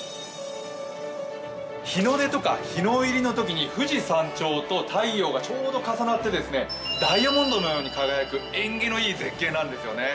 日の出とか日の入りのときに富士山頂と太陽がちょうど重なってダイヤモンドのように見える貴重な瞬間なんですね。